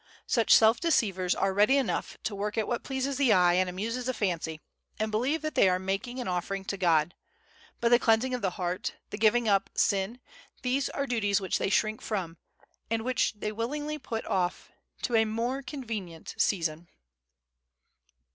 Such self deceivers are ready enough to work at what pleases the eye and amuses the fancy, and believe that they are making an offering to God; but the cleansing of the heart, the giving up sin—these are duties which they shrink from, and which they willingly put off to "a more convenient season."